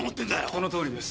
そのとおりです。